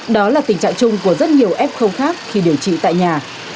đó là tình trạng chung của rất nhiều f khi điều trị tại nhà